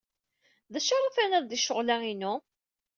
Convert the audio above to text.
D acu ara tiniḍ di ccɣel-a-inu?